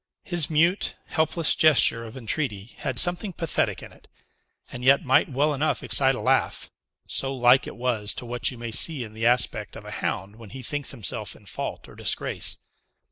His mute, helpless gesture of entreaty had something pathetic in it, and yet might well enough excite a laugh, so like it was to what you may see in the aspect of a hound when he thinks himself in fault or disgrace.